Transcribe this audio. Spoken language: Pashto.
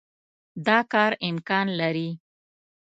دا کار امکان لري.